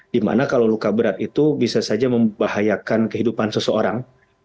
dimana kalau luka berat itu bisa saja membahayakan kehidupan seseorang